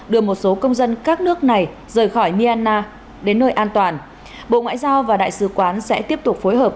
đưa một số công dân các nước này rời khỏi myanmar đến nơi an toàn bộ ngoại giao và đại sứ quán sẽ tiếp tục phối hợp